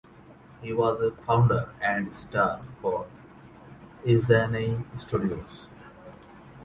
He was a founder and star for Essanay studios.